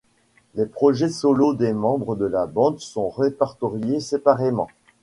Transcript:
Les projets solo des membres de la bande sont répertoriés séparément.